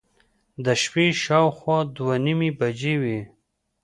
د شپې شاوخوا دوه نیمې بجې وې.